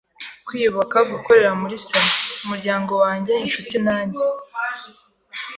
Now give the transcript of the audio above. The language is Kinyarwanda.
Kwiyubaka gukorera muri Sena. Umuryango wanjye, inshuti, nanjye